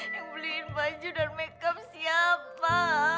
yang beliin baju dan makeup siapa